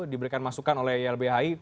diberikan masukan oleh lbhi